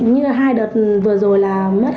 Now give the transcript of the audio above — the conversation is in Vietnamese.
như hai đợt vừa rồi là mất hai